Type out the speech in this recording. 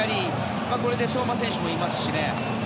これで相馬選手もいますしね。